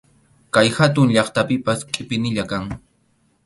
Kay hatun llaqtapipas qʼipinalla kan.